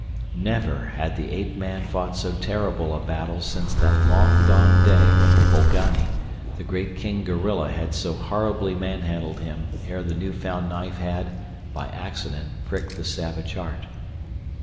Never had the ape man fought so terrible a battle since that long gone day when Bolgani, the great king gorilla had so horribly manhandled him ere the new found knife had, by accident, pricked the savage heart.